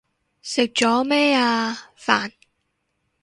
食咗咩啊？飯